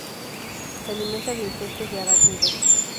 Se alimenta de insectos y arácnidos.